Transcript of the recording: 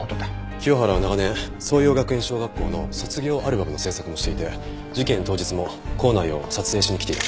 清原は長年爽葉学園小学校の卒業アルバムの制作もしていて事件当日も校内を撮影しに来ています。